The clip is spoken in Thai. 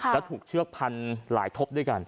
แล้วถูกเชือกพันหลายทบด้วยกัน